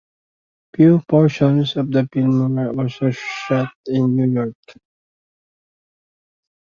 Few portions of the film were also shot in New York.